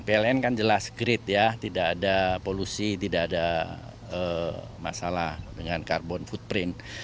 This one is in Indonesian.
pln kan jelas grade ya tidak ada polusi tidak ada masalah dengan karbon footprint